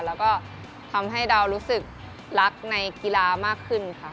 แล้วก็ทำให้เรารู้สึกรักในกีฬามากขึ้นค่ะ